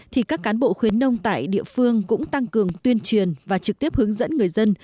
thì các cán bộ khuyến nông tại địa phương cũng tăng cường tuyên truyền và trực tiếp hướng dẫn người dân